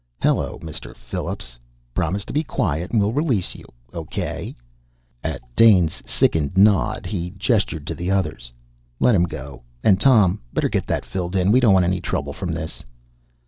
"Hello, Mr. Phillips. Promise to be quiet and we'll release you. Okay?" At Dane's sickened nod, he gestured to the others. "Let him go. And, Tom, better get that filled in. We don't want any trouble from this."